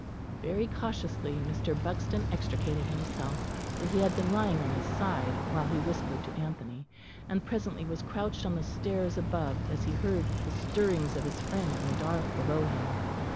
Very cautiously Mr. Buxton extricated himself; for he had been lying on his side while he whispered to Anthony; and presently was crouched on the stairs above, as he heard the stirrings of his friend in the dark below him.